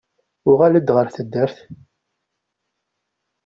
Uɣal-d ɣer taddart.